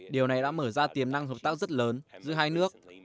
điều này đã mở ra tiềm năng hợp tác rất lớn giữa hai nước